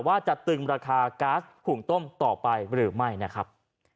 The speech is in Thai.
ว่าจะตึงราคาก๊าซหุงต้มต่อไปหรือไม่นะครับ